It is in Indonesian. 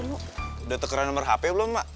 udah tekeran nomor hp belum emak